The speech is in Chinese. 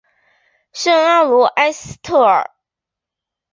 圣阿卢埃斯特尔。